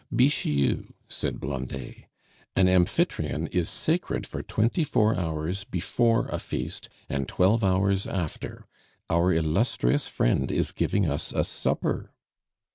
"Bixiou," said Blondet, "an Amphitryon is sacred for twenty four hours before a feast and twelve hours after. Our illustrious friend is giving us a supper."